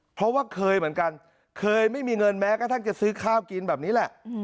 เพราะว่าเคยเหมือนกันเคยไม่มีเงินแม้กระทั่งจะซื้อข้าวกินแบบนี้แหละ